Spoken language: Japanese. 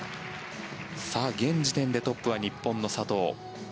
現時点でトップは日本の佐藤。